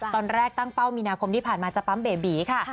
ตอนแรกตั้งเป้ามีนาคมที่ผ่านมาจะปั๊มเบบีค่ะ